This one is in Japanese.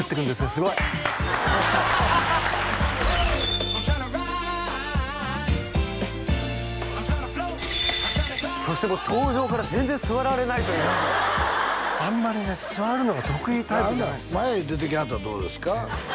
すごいそしてもう登場から全然座られないというあんまりね座るのが得意なタイプじゃない前へ出てきはったらどうですか？